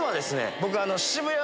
僕。